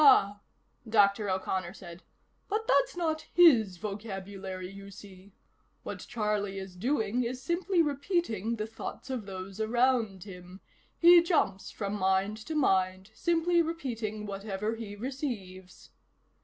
"Ah," Dr. O'Connor said. "But that's not his vocabulary, you see. What Charlie is doing is simply repeating the thoughts of those around him. He jumps from mind to mind, simply repeating whatever he receives."